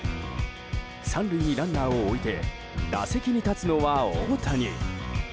３塁にランナーを置いて打席に立つのは大谷。